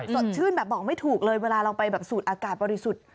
สดชื่นแบบบอกไม่ถูกเลยเวลาเราไปแบบสูดอากาศบริสุทธิ์